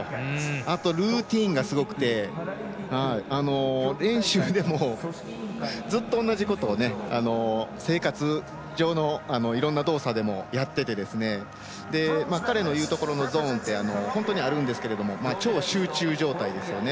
あと、ルーティンがすごくて練習でもずっと、同じことを生活上のいろんな動作でもやっていて彼の言うところのゾーンって本当にあるんですけど超集中状態ですよね